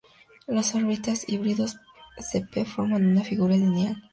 Los orbitales híbridos sp forman una figura lineal.